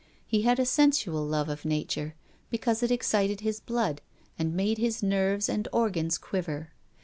He had a sensual love of nature because it excited his blood, and made his nerves and organs quiver.